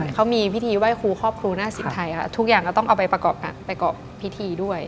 เขามีพิธีไหว้ครูครอบครูหน้าศิษย์ไทยค่ะทุกอย่างก็ต้องเอาไปประกอบไปเกาะพิธีด้วย